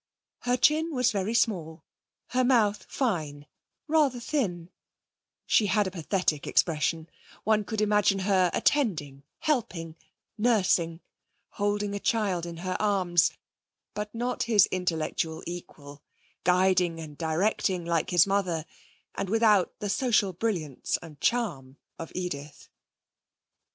Her chin was very small, her mouth fine, rather thin; she had a pathetic expression; one could imagine her attending, helping, nursing, holding a child in her arms, but not his intellectual equal, guiding and directing like his mother; and without the social brilliance and charm of Edith.